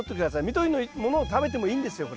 緑のものを食べてもいいんですよ